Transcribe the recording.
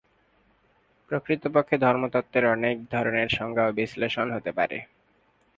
প্রকৃতপক্ষে ধর্মতত্ত্বের অনেক ধরনের সংজ্ঞা ও বিশ্লেষণ হতে পারে।